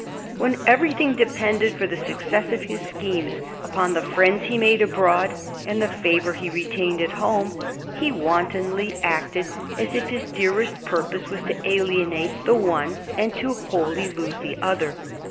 When everything depended for the suc cess of his schemes upon the friends he made abroad and the favor he retained at home, he wantonly acted as if his dearest purpose was to alienate the one and to wholly lose the other.